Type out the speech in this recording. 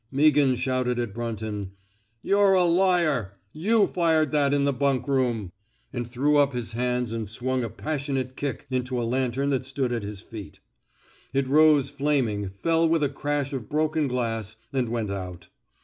Mea ghan shouted at Brunton: You're a liar I You fired that in the bunk room I "— and threw up his hands and swung a passionate kick into a lantern that stood at his feet. It rose flaming, fell with a crash of broken glass, and went out.